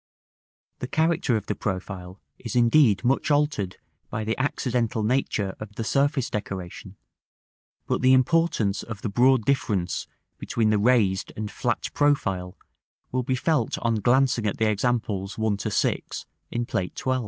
§ XVI. The character of the profile is indeed much altered by the accidental nature of the surface decoration; but the importance of the broad difference between the raised and flat profile will be felt on glancing at the examples 1 to 6 in Plate XII.